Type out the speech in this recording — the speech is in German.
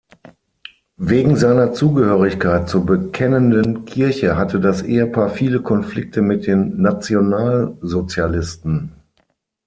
Wegen seiner Zugehörigkeit zur Bekennenden Kirche hatte das Ehepaar viele Konflikte mit den Nationalsozialisten.